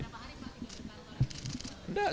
bagaimana hari pak